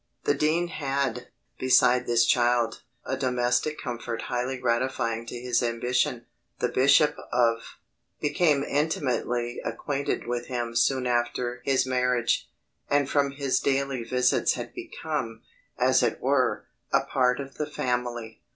The dean had, beside this child, a domestic comfort highly gratifying to his ambition: the bishop of became intimately acquainted with him soon after his marriage, and from his daily visits had become, as it were, a part of the family.